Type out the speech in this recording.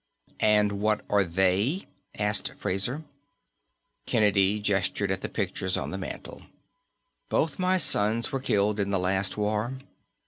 "And what are they?" asked Fraser. Kennedy gestured at the pictures on the mantel. "Both my sons were killed in the last war.